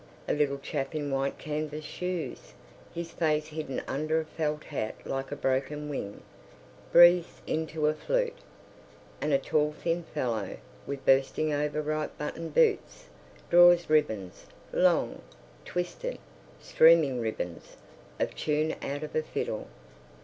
A little chap in white canvas shoes, his face hidden under a felt hat like a broken wing, breathes into a flute; and a tall thin fellow, with bursting over ripe button boots, draws ribbons—long, twisted, streaming ribbons—of tune out of a fiddle.